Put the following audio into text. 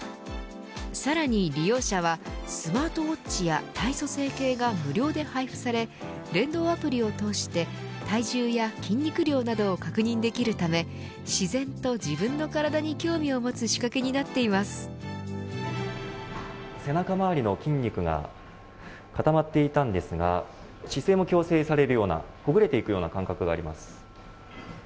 さらに利用者はスマートウォッチや体組成計が無料で配布され連動アプリを通して体重や筋肉量などを確認できるため自然と、自分の体に興味を持つ仕掛けに背中周りの筋肉が固まっていたんですが姿勢も矯正されるようなほぐれていくような感覚があります。